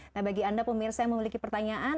nah bagi anda pemirsa yang memiliki pertanyaan